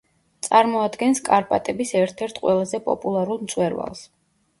წარმოადგენს კარპატების ერთ-ერთ ყველაზე პოპულარულ მწვერვალს.